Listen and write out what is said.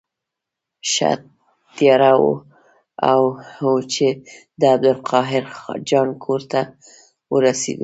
ښه تیاره وه چې د عبدالقاهر جان کور ته ورسېدو.